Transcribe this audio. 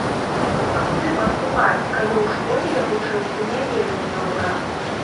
А куды паступаць, калі ў школе я вучыўся не вельмі добра?